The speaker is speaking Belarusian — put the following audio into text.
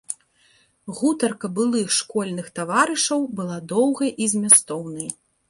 Гутарка былых школьных таварышаў была доўгай і змястоўнай.